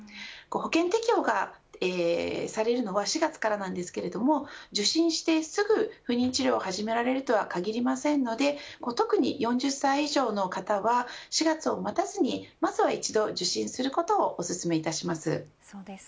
保険適用がされるのは４月からですが受診してすぐ不妊治療を始められるとは限りませんので特に４０歳以上の方は４月を待たずにまずは一度、受診することをおすすめいたします。